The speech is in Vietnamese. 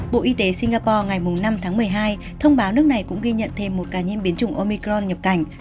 bộ y tế singapore ngày năm tháng một mươi hai thông báo nước này cũng ghi nhận thêm một ca nhiễm biến chủng omicron nhập cảnh